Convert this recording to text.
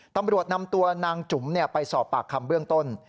ตำรวจนำตัวนางจุ๋มไปสอบปากคำเบื้องต้น